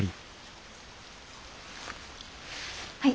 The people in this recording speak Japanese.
はい。